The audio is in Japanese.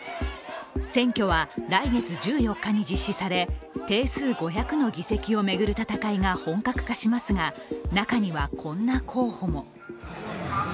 選挙は来月１４日に実施され、定数５００の議席を巡る戦いが本格化しますが、中には今候補も。